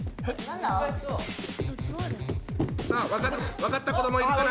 さあ分かった子どもいるかな？